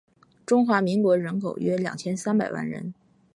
中华民国人口约二千三百万人